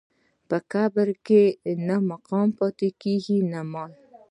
په قبر کې نه مقام پاتې کېږي نه مال.